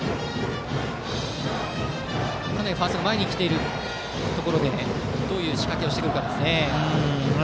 かなりファーストが前に来ているところでどういう仕掛けをしてくるかです。